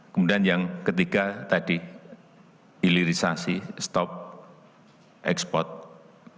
kemudian yang ketiga tadi ilirisasi stop ekspor bahan mentah